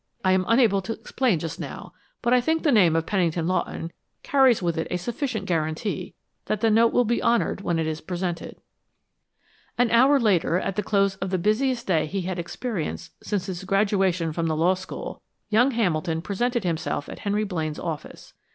"I am unable to explain just now, but I think the name of Pennington Lawton carries with it a sufficient guarantee that the note will be honored when it is presented." An hour later, at the close of the busiest day he had experienced since his graduation from the law school, young Hamilton presented himself at Henry Blaine's office.